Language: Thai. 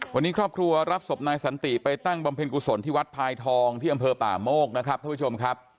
วันนี้ครอบครัวรับศพนายสันติไปตั้งบำเพ็ญกุศลที่วัดพายทองที่อำเภอป่าโมกนะครับท่านผู้ชมครับ